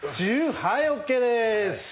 はいＯＫです！